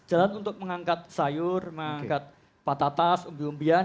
jalan untuk mengangkat sayur mengangkat patatas umbi umbian